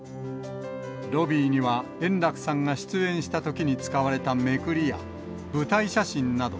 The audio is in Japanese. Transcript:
ロビーには円楽さんが出演したときに使われためくりや、舞台写真など、